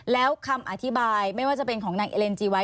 แล้วคำอธิบายไม่ว่าจะเป็นของนางเอเลนจีวัย